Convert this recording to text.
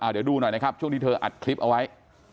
เดี๋ยวดูหน่อยนะครับช่วงที่เธออัดคลิปเอาไว้